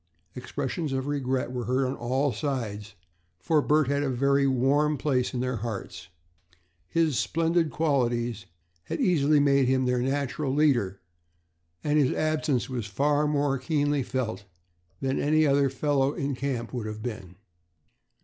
Expressions of regret were heard on all sides, for Bert had a very warm place in their hearts. His splendid qualities had easily made him their natural leader and his absence was far more keenly felt than that of any other fellow in the camp would have been.